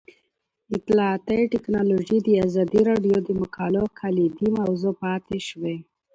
اطلاعاتی تکنالوژي د ازادي راډیو د مقالو کلیدي موضوع پاتې شوی.